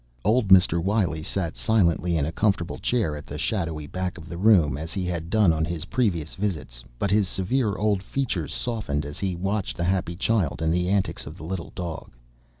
Old Mr. Wiley sat silently in a comfortable chair at the shadowy back of the room as he had done on his previous visits but his severe old features softened as he watched the happy child and the antics of the little dog.